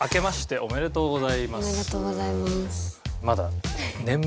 おめでとうございます。